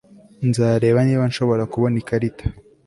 Nzareba niba nshobora kubona ikarita